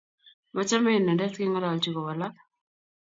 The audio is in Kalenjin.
Machame inendet kengololji kowalak